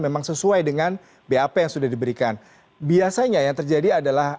memang sesuai dengan bap yang sudah diberikan biasanya yang terjadi adalah